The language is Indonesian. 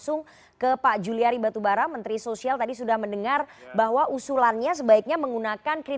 oke pak bupati nanti kita akan lanjutkan lagi